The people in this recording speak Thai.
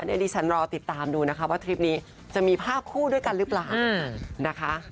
เดี๋ยวดิฉันรอติดตามดูนะคะว่าคลิปนี้จะมีภาพคู่ด้วยกันรึเปล่านะคะ